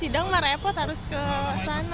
hidang mah repot harus ke sana